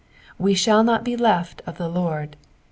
We shall not be left of the Lord.